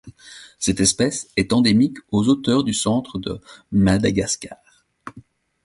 Cette espèce est endémique aux hauteurs du centre de Madagascar.